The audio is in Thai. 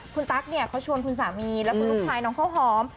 คุณตั๊กเนี่ยเขาชวนคุณสามีแล้วก็ลูกชายน้องข้าวหอม